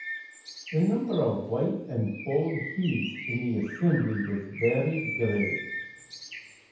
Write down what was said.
The number of white and bald heads in the assembly was very great.